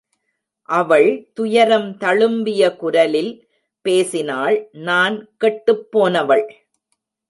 அவள் துயரம் தளும்பிய குரலில் பேசினாள் நான் கெட்டுப்போனவள்.